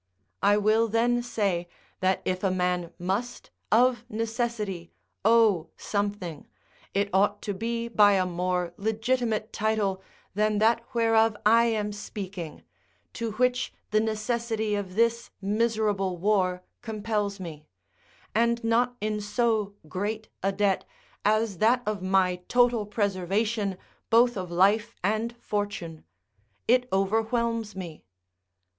I will then say, that if a man must, of necessity, owe something, it ought to be by a more legitimate title than that whereof I am speaking, to which the necessity of this miserable war compels me; and not in so great a debt as that of my total preservation both of life and fortune: it overwhelms me.